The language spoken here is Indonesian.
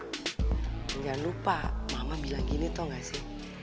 tidak lupa mama bilang gini tau gak sih